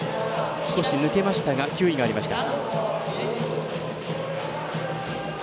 少し抜けましたが球威がありました。